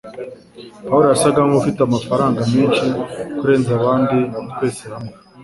Pawulo yasaga nkufite amafaranga menshi kurenza abandi twese hamwe